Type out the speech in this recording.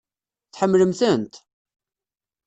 Tḥemmlem-tent?